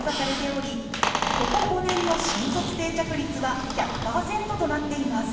ここ５年の新卒定着率は１００パーセントとなっています。